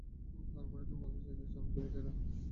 তারমানে তুমি বলতে চাইছো আমি যুবতী না?